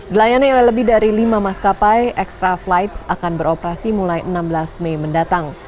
delayannya lebih dari lima maskapai extra flight akan beroperasi mulai enam belas mei mendatang